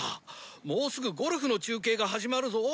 もうすぐゴルフの中継が始まるぞ。